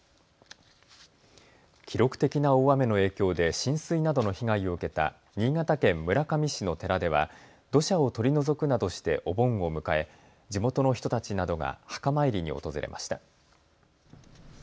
記録的な大雨の影響で浸水などの被害を受けた新潟県村上市の寺では土砂を取り除くなどしてお盆を迎え、地元の人たちなどが墓参りに訪れました。